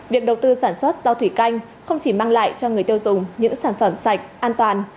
việc đầu tư sản xuất rau thủy canh không chỉ mang lại cho người tiêu dùng những sản phẩm sạch an toàn